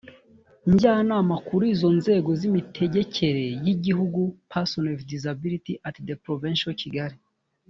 njyanama kuri izo nzego z imitegekere y igihugu persons with disabilities at the provincial kigali